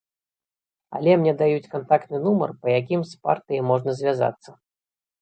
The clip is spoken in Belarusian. Але мне даюць кантактны нумар, па якім з партыяй можна звязацца.